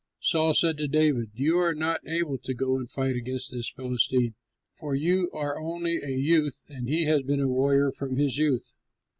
Saul said to David, "You are not able to go and fight against this Philistine, for you are only a youth and he has been a warrior from his youth."